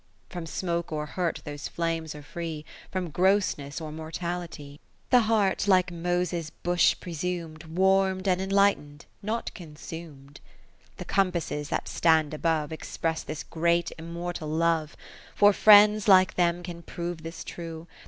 V From smoke or hurt those flames are free, From grossness or mortality : The heart (like Moses' Bush pre sumed) Warm'd and enlightened, not consumed. 20 VI The Compasses that stand above. Express this great immortal Love ; For friends, like them, can prove this true.